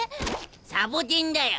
サボテンだよ。